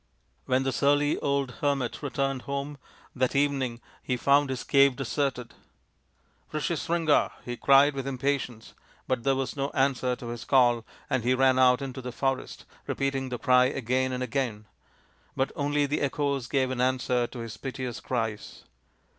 .. When the surly old hermit returned home that evening he found his cave deserted. " Rishyas 272 THE INDIAN STORY BOOK ringa," he cried with impatience, but there was no answer to his call, and he ran out into the forest, repeating the cry again and again. But only the echoes gave an answer to his piteous cries.